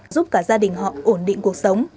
giúp cả gia đình họ ổn định cuộc sống